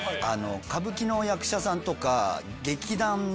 歌舞伎の役者さんとか劇団。